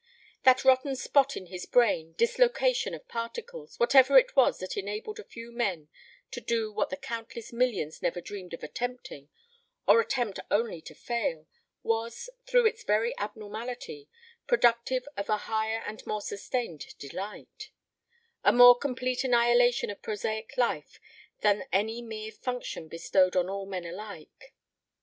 That rotten spot in the brain, dislocation of particles, whatever it was that enabled a few men to do what the countless millions never dreamed of attempting, or attempt only to fail, was, through its very abnormality, productive of a higher and more sustained delight, a more complete annihilation of prosaic life, than any mere function bestowed on all men alike.